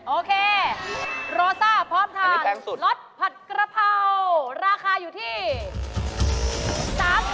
โอเคโรซ่าพร้อมทานรสผัดกระเพราราคาอยู่ที่๓๐บาท